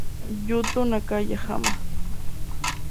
Yuto Nakayama